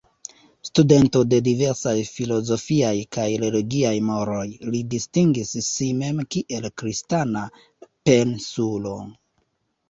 Studento de diversaj filozofiaj kaj religiaj moroj, li distingis si mem kiel Kristana pensulo.